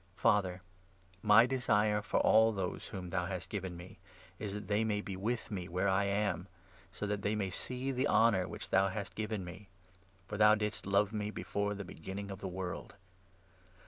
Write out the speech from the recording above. Father, my 24 desire for all those whom thou hast given me is that they may be with me where I am, so that theymaysee the honourwhich thou hastgiven me ; for thou didst love me before the begin ningofthe world.